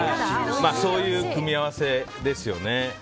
そういう組み合わせですね。